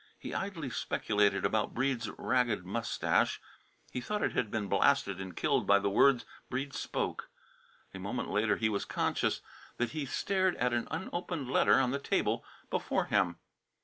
He idly speculated about Breede's ragged moustache; he thought it had been blasted and killed by the words Breede spoke. A moment later he was conscious that he stared at an unopened letter on the table before him.